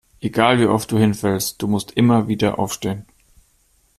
Egal wie oft du hinfällst, du musst immer wieder aufstehen.